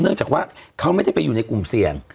เนื่องจากว่าเขาไม่ได้ไปอยู่ในกลุ่มเสี่ยง